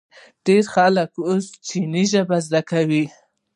ډیر خلک اوس چینایي ژبه زده کوي.